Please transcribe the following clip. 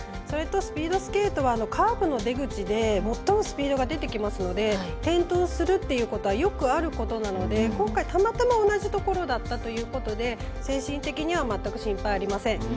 それと、スピードスケートはカーブの出口で最もスピードが出てきますので転倒するということはよくあることなので今回たまたま同じところだったということで精神的には全く心配はありません。